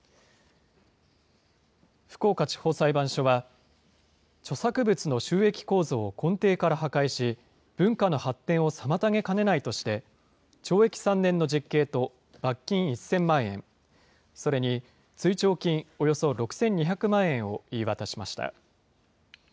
福岡地方裁判所は、著作物の収益構造を根底から破壊し、文化の発展を妨げかねないとして、懲役３年の実刑と罰金１０００万円、それに追徴金およそ６２００万円を言い渡しました。